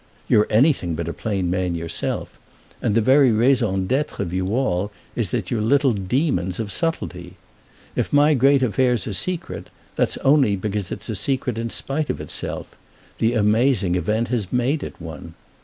You're anything but a plain man yourself, and the very raison d'être of you all is that you're little demons of subtlety. If my great affair's a secret, that's only because it's a secret in spite of itself—the amazing event has made it one.